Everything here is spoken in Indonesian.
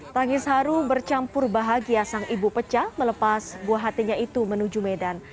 tangis haru bercampur bahagia sang ibu pecah melepas buah hatinya itu menuju medan